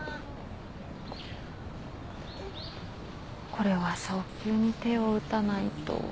これは早急に手を打たないと。